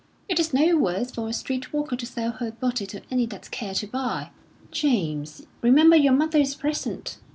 It is no worse for a street walker to sell her body to any that care to buy." "James, remember your mother is present."